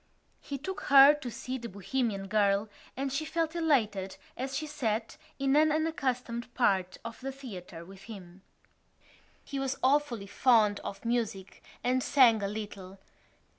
He took her to see The Bohemian Girl and she felt elated as she sat in an unaccustomed part of the theatre with him. He was awfully fond of music and sang a little.